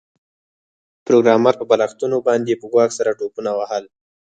پروګرامر په بالښتونو باندې په ګواښ سره ټوپونه وهل